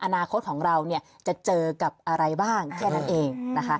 อนาคตของเราจะเจอกับอะไรบ้างแค่นั้นเองนะคะ